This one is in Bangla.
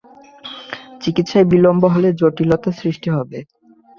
চিকিৎসায় বিলম্ব হলে জটিলতা সৃষ্টি হবে।